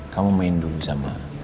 kamu main dulu sama